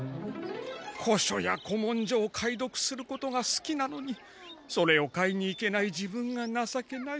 古書や古文書を解読することがすきなのにそれを買いに行けない自分がなさけない。